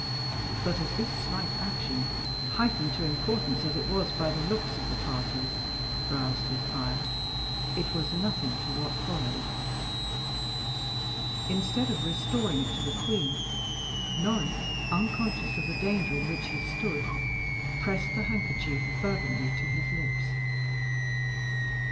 But if this slight action, heightened to importance, as it was, by the looks of the parties, roused his ire, it was nothing to what followed. Instead of restoring it to the queen, Norris, unconscious of the danger in which he stood, pressed the handkerchief fervently to his lips.